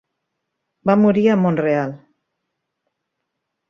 Va morir a Montreal.